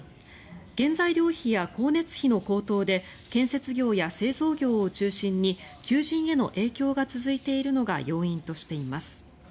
原材料費や光熱費の高騰で建設業や製造業を中心に求人への影響が続いているのが要因としています。